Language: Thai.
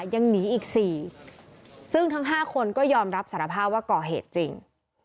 ยังหนีอีก๔ซึ่งทั้ง๕คนก็ยอมรับสารภาพว่าก่อเหตุจริง